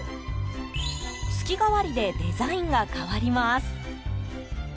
月替わりでデザインが変わります。